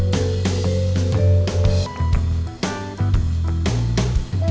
kalau askur k tamam